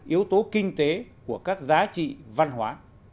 yếu tố kinh tế của các giá trị văn hóa